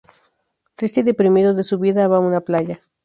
Triste y deprimido de su vida va a una playa.